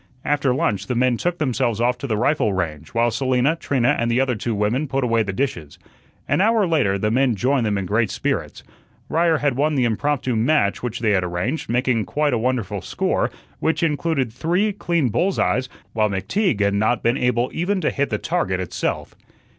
After lunch the men took themselves off to the rifle range, while Selina, Trina, and the other two women put away the dishes. An hour later the men joined them in great spirits. Ryer had won the impromptu match which they had arranged, making quite a wonderful score, which included three clean bulls' eyes, while McTeague had not been able even to hit the target itself.